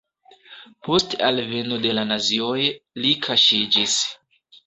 Post alveno de la nazioj li kaŝiĝis.